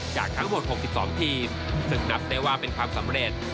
จากทั้งหมด๖๒ทีมซึ่งนับได้ว่าเป็นความสำเร็จ